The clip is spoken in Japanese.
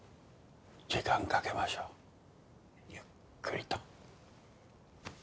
時間かけましょうゆっくりと。